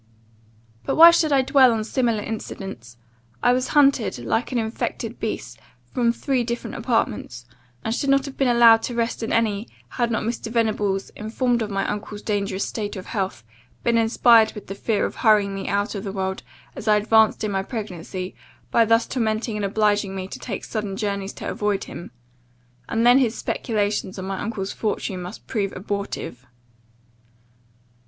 "But why should I dwell on similar incidents! I was hunted, like an infected beast, from three different apartments, and should not have been allowed to rest in any, had not Mr. Venables, informed of my uncle's dangerous state of health, been inspired with the fear of hurrying me out of the world as I advanced in my pregnancy, by thus tormenting and obliging me to take sudden journeys to avoid him; and then his speculations on my uncle's fortune must prove abortive.